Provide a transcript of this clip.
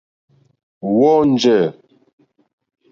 Wɔ́ɔ̂ njɛ̂.